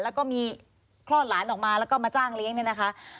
แล้วก็มีคลอดหลานออกมาแล้วก็มาจ้างเลี้ยงเนี่ยนะคะ